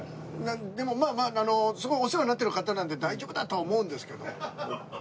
でもまあまあすごいお世話になってる方なんで大丈夫だとは思うんですけどね。